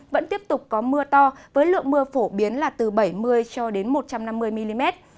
vẫn tiếp tục có mưa to với lượng mưa phổ biến là từ bảy mươi cho đến một trăm năm mươi mm